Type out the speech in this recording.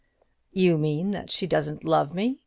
"You mean that she doesn't love me?"